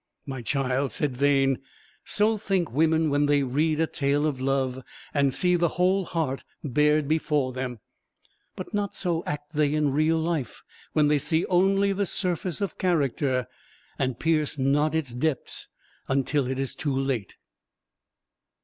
"My child," said Vane, "so think women when they read a tale of love, and see the whole heart bared before them; but not so act they in real life when they see only the surface of character, and pierce not its depths until it is too late!"